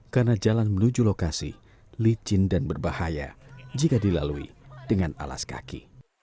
karena jalan menuju lokasi licin dan berbahaya jika dilalui dengan alas kaki